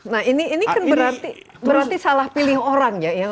nah ini kan berarti salah pilih orang ya